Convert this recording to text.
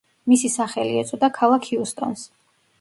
მისი სახელი ეწოდა ქალაქ ჰიუსტონს.